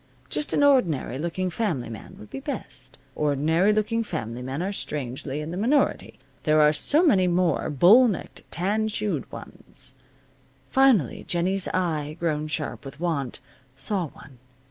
Just an ordinary looking family man would be best. Ordinary looking family men are strangely in the minority. There are so many more bull necked, tan shoed ones. Finally Jennie's eye, grown sharp with want, saw one.